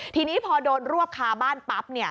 ทีนี้พอโดนรวบคาบ้านปั๊บ